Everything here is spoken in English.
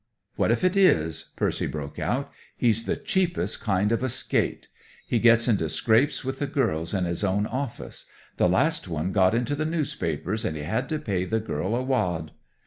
"What if it is?" Percy broke out. "He's the cheapest kind of a skate. He gets into scrapes with the girls in his own office. The last one got into the newspapers, and he had to pay the girl a wad."